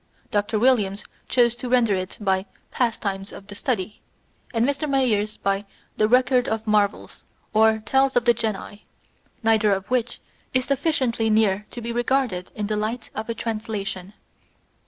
Dr. Williams chose to render it by "Pas times of the Study," and Mr. Mayers by "The Record of Marvels, or Tales of the Genii;" neither of which is sufficiently near to be regarded in the light of a translation.